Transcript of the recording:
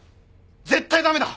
絶対駄目だ！